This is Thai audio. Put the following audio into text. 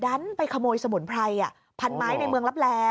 ดันไปขโมยสมุนไพรพันไม้ในเมืองลับแล